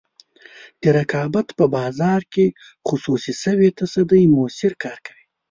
د رقابت په بازار کې خصوصي شوې تصدۍ موثر کار کوي.